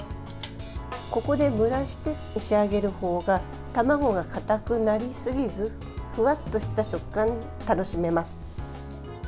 ここで蒸らして仕上げる方が卵がかたくなりすぎずふわっとした食感が楽しめます。